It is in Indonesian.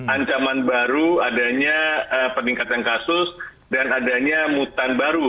ancaman baru adanya peningkatan kasus dan adanya mutan baru